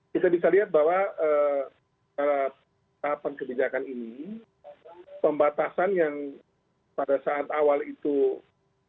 kita bisa lihat bahwa tahap penkebijakan ini pembatasan yang pada saat awal itu agak longgar